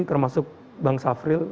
termasuk bang safril